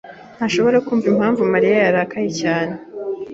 ntashobora kumva impamvu Mariya yarakaye cyane.